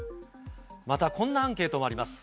またこんなアンケートもあります。